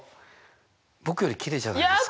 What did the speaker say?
僕よりきれいじゃないですか。